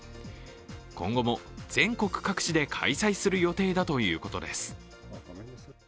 今後も全国各地で開催する予定だということです。